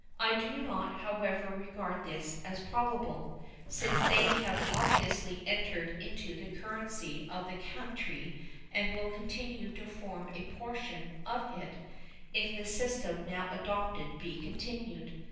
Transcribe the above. I do not, however, regard this as probable, since they have obviously entered into the currency of the country and will continue to form a portion of it if the system now adopted be continued.